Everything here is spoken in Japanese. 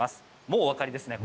もう、お分かりですね。